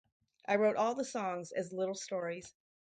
I wrote all the songs as little stories.